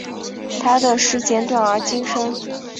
他的诗简短而精深。